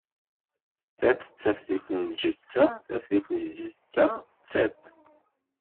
Tiṭ d taftilt n lǧetta, taftilt n lǧetta d tiṭ.